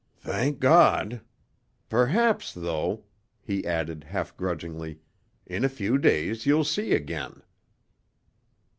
"Thank God. Perhaps, though," he added half grudgingly, "in a few days you'll see again."